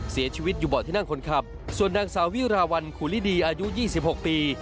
เสียชีวิตอยู่บอดที่นั่งคนขับส่วนนางสาววิราวรรณครูลิดีอายุยี่สิบหกปี